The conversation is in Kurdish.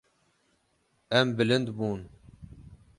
Em bilind bûn.